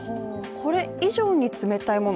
これ以上に冷たいもの